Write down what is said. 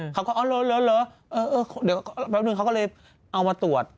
เขาก็อ๋อเหรอเดี๋ยวแป๊บนึงเขาก็เลยเอามาตรวจ